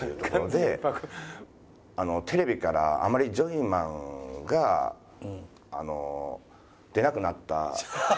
テレビからあまりジョイマンが出なくなった。